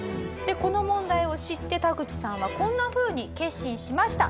この問題を知ってタグチさんはこんなふうに決心しました。